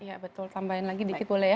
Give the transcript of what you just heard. iya betul tambahin lagi dikit boleh ya